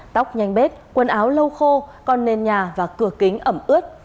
tóc nhanh bếp quần áo lâu khô còn nền nhà và cửa kính ẩm ướt